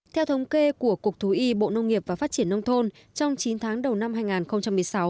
theo thống kê của cục thú y bộ nông nghiệp và phát triển nông thôn trong chín tháng đầu năm hai nghìn một mươi sáu